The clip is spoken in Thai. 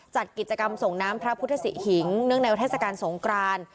จัดกิจกรรมส่งน้ำพระพุทธศิหิงเนื่องในเทศกาลสงคราน